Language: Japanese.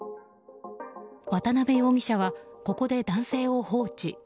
渡辺容疑者はここで男性を放置。